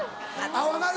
分かる？